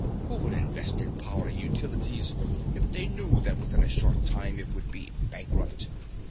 Who would invest in Power Utilities if they knew that within a short time it would be bankrupt?